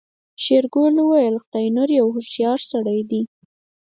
شېرګل وويل خداينور هوښيار سړی دی.